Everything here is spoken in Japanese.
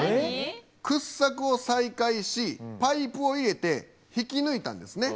掘削を再開しパイプを入れて引き抜いたんですね。